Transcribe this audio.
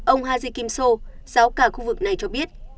ông haji kim so giáo cả khu vực này cho biết